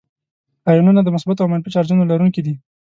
آیونونه د مثبتو او منفي چارجونو لرونکي دي.